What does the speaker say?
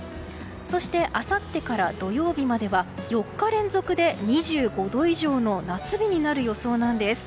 そしてあさってから土曜日までは４日連続で、２５度以上の夏日になる予想なんです。